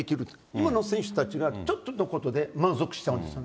今の選手たちは、ちょっとのことで満足しちゃうんですよ。